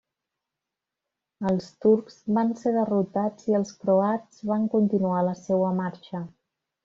Els turcs van ser derrotats i els croats van continuar la seua marxa.